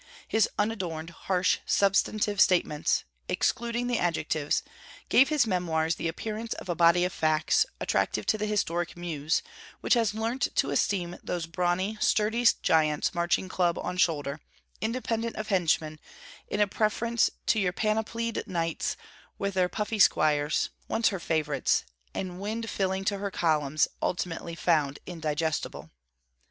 His unadorned harsh substantive statements, excluding the adjectives, give his Memoirs the appearance of a body of facts, attractive to the historic Muse, which has learnt to esteem those brawny sturdy giants marching club on shoulder, independent of henchman, in preference to your panoplied knights with their puffy squires, once her favourites, and wind filling to her columns, ultimately found indigestible.